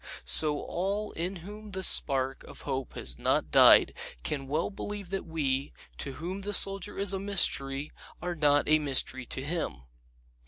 So all in whom the spark of hope has not died can well believe that we, to whom the Soldier is a mystery, are not a mystery to him.